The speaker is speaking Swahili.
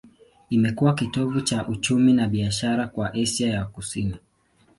Imekuwa kitovu cha uchumi na biashara kwa Asia ya Kusini.